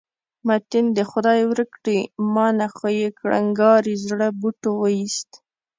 متین دې خدای ورک کړي، ما نه خو یې کړنګاري زړه بوټ وویست.